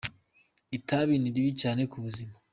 Itabi ni ribi cyane ku buzima.